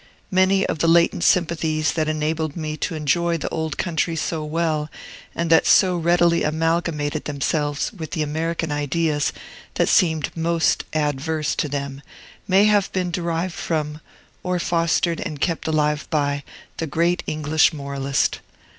Many of the latent sympathies that enabled me to enjoy the Old Country so well, and that so readily amalgamated themselves with the American ideas that seemed most adverse to them, may have been derived from, or fostered and kept alive by, the great English moralist.